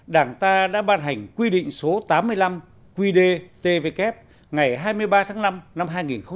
đảng ta đã ban hành quy định số tám mươi năm qd tvk ngày hai mươi ba tháng năm năm hai nghìn một mươi